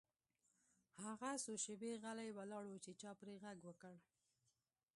هغه څو شیبې غلی ولاړ و چې چا پرې غږ وکړ